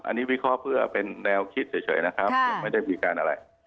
อันนี้วิเคราะห์เพื่อเป็นแนวคิดเฉยนะครับยังไม่ได้มีการอะไร